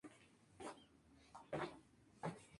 Las ventas del grupo superan el medio millón de unidades.